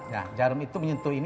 nah jarum itu menyentuh ini